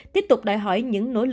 tiếp tục đòi hỏi những nỗ lực lợi